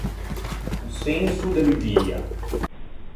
O senso de l’udia.